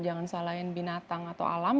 jangan salahin binatang atau alam